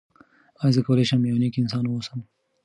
آیا زه کولی شم یو نېک انسان واوسم؟